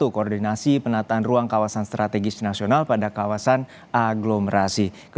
koordinasi penataan ruang kawasan strategis nasional pada kawasan aglomerasi